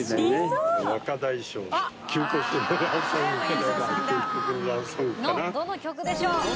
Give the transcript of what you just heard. どの曲でしょう？